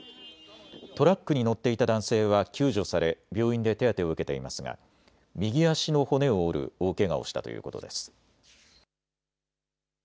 トラックに乗っていた男性は救助され、病院で手当てを受けていますが右足の骨を折る大けがをしたということです。